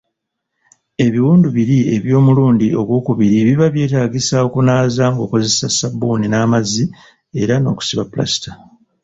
Ebiwundu biri eby'omulundi ogwokubiri biba byetaagisa okunaaza ng'okozesa ssabbuuni n'amazzi era n'okubisiba ppulasita